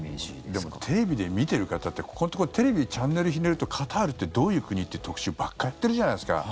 でもテレビで見ている方ってここのところテレビ、チャンネルひねるとカタールってどういう国？っていう特集ばかりやってるじゃないですか。